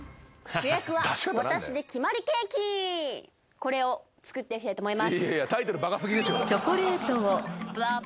これを作っていきたいと思います。